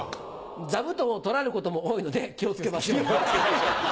「ざぶとんを取られる事も多いので気をつけましょう」。